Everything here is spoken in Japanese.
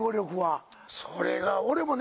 それが俺もね